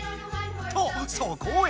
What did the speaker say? とそこへ。